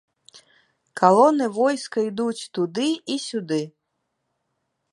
Калоны войска ідуць туды і сюды.